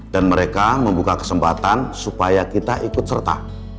dan mereka membuka kesempatan supaya kita ikut serta